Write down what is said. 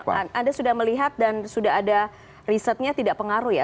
anda sudah melihat dan sudah ada risetnya tidak pengaruh ya